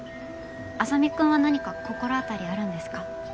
莇君は何か心当たりあるんですか？